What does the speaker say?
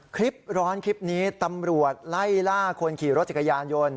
คลิปร้อนคลิปนี้ตำรวจไล่ล่าคนขี่รถจักรยานยนต์